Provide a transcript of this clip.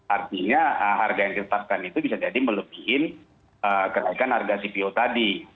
artinya harga yang kita setafkan itu bisa jadi melebihi kenaikan harga cpo tadi